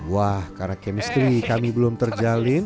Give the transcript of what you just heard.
wah karena chemistry kami belum terjalin